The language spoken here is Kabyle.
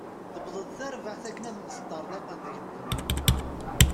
Tewweḍ-d tarbaɛt akken ad mesṭarḍaqen deg dduminu.